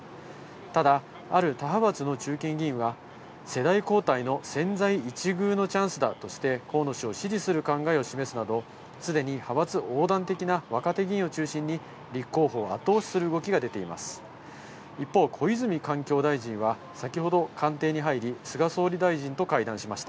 ただ、ある他派閥の中堅議員は、世代交代の千載一遇のチャンスだとして、河野氏を支持する考えを示すなど、すでに派閥横断的な若手議員を中心に、立候補を後押しする動きが出ています。